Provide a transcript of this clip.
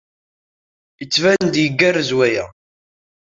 Yettban-d igerrez waya.